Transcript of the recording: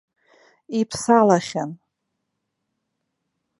Иԥсалахьан.